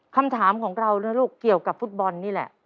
คำถามของเรานะลูกเกี่ยวกับฟุตบอลนี่แหละ